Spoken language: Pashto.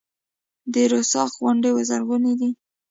د رستاق غونډۍ زرغونې دي